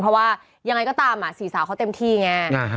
เพราะว่ายังไงก็ตามสี่สาวเขาเต็มที่ไง